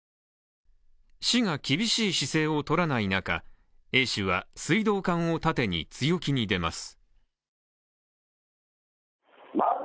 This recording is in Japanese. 市が厳しい姿勢をとらない中、Ａ氏は水道管を盾に強気に出ます。